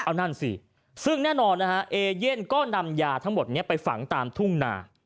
เอานั่นสิซึ่งแน่นอนนะฮะเอเย่นก็นำยาทั้งหมดนี้ไปฝังตามทุ่งนา